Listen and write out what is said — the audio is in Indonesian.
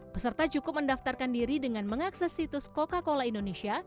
peserta cukup mendaftarkan diri dengan mengakses situs coca cola indonesia